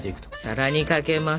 さらにかけます。